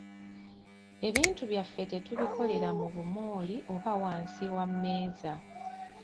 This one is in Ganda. Ebintu byaffe tetubikolera mu bumooli oba wansi wa mmeeza.